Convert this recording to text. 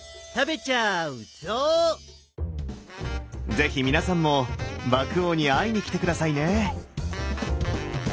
是非皆さんも獏王に会いにきて下さいね！